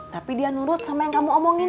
tapi dia nurut sama yang kamu omongin